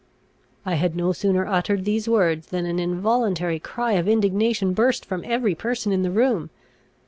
I had no sooner uttered these words, than an involuntary cry of indignation burst from every person in the room.